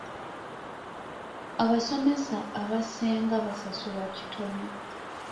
Abasomesa abasinga basasulwa kitono.